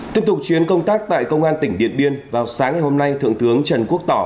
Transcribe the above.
tiếp tục chuyến công tác tại công an tỉnh điện biên vào sáng ngày hôm nay thượng tướng trần quốc tỏ